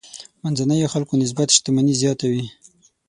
منځنيو خلکو نسبت شتمني زیاته وي.